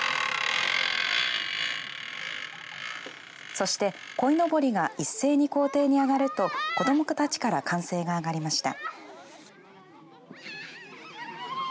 そして、こいのぼりが一斉に校庭に上がると子どもたちから歓声が上がりました。